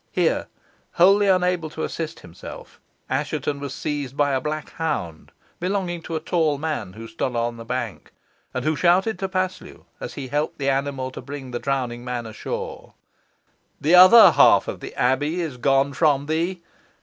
Here, wholly unable to assist himself, Assheton was seized by a black hound belonging to a tall man who stood on the bank, and who shouted to Paslew, as he helped the animal to bring the drowning man ashore, "The other half of the abbey is gone from thee.